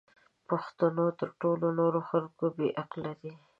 پښتون تر ټولو نورو خلکو بې عقل دی!